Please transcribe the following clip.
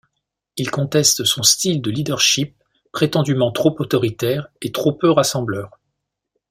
Ils contestent son style de leadership prétendument trop autoritaire et trop peu rassembleur.